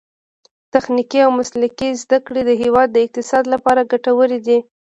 تخنیکي او مسلکي زده کړې د هیواد د اقتصاد لپاره ګټورې دي.